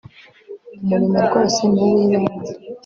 umurimo rwose ni uw'ibanze